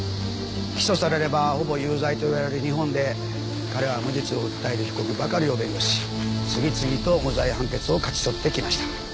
起訴されればほぼ有罪と言われる日本で彼は無実を訴える被告ばかりを弁護し次々と無罪判決を勝ち取ってきました。